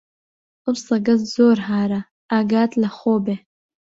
ئەو سەگە زۆر هارە، ئاگات لە خۆ بێ!